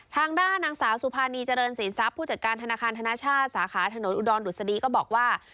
ทางด้านนางสาวสุภานีเจริญสินทรัพย์ผู้จัดการธนาคารธนชาติสาขาถนนอุดรดุษฎีก็บอกว่า